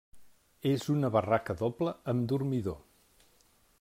És una barraca doble, amb dormidor.